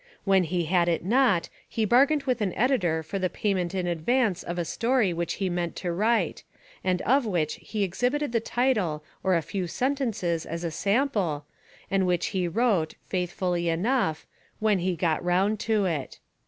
When he had It not he bargained with an editor for the payment In advance of a story which he meant to write, and of which he ex hibited the title or a few sentences as a sample, and which he wrote, faithfully enough, "when he got round to It."